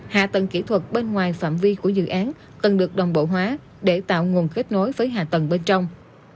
hạ tầng kỹ thuật bên ngoài phạm vi của dự án cần được đồng bộ hóa để tạo nguồn kết nối với hạ tầng bên trong